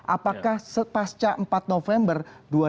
apakah sepasca empat november dua ribu enam belas